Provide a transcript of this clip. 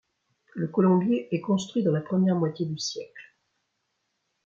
Le colombier est construit dans la première moitié du siècle.